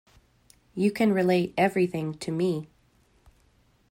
You can relate everything to me.